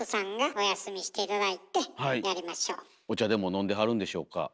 お茶でも飲んではるんでしょうか。